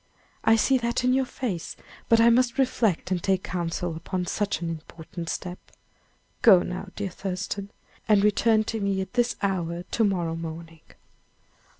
I see that in your face; but I must reflect and take counsel upon such an important step. Go now, dear Thurston, and return to me at this hour to morrow morning."